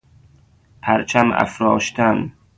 پرچم افراشتن